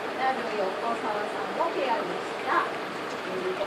It also stars Joaquin Phoenix, Rory Culkin, and Abigail Breslin.